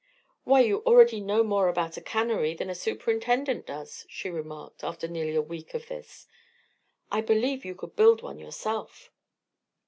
"Why, you already know more about a cannery than a superintendent does," she remarked, after nearly a week of this. "I believe you could build one yourself."